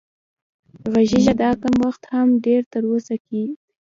غږېږه دا کم وخت هم ډېر تر اوسه دی